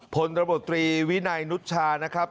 ผลระบบตรีวินัยนุชชานะครับ